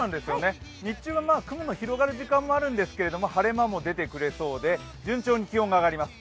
日中は雲の広がる時間もあるんですけど、晴れ間も出てくれそうで順調に気温が上がります。